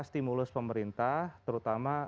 stimulus pemerintah terutama